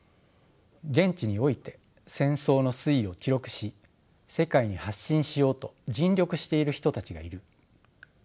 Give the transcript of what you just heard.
現地において戦争の推移を記録し世界に発信しようと尽力している人たちがいる。